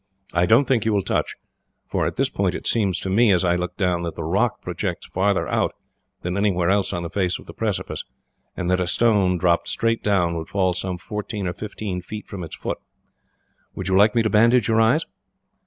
I don't think you will touch, for at this point it seemed to me, as I looked down, that the rock projects farther out than anywhere else on the face of the precipice, and that a stone dropped straight down would fall some fourteen or fifteen feet from its foot. Would you like me to bandage your eyes?"